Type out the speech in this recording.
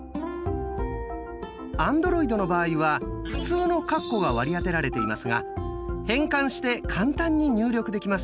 アンドロイドの場合は普通のカッコが割り当てられていますが変換して簡単に入力できます。